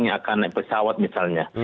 yang akan naik pesawat misalnya